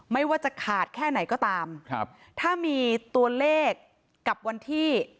ไม่ว่าจะขาดแค่ไหนก็ตามครับถ้ามีตัวเลขกับวันที่